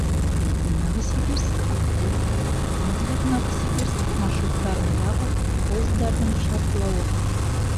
Новосибирск — Адлер, Адлер — Новосибирск маршруттарындағы поездарҙың шартлауы.